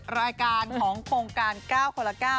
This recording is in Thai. รายการของโครงการ๙คนละ๙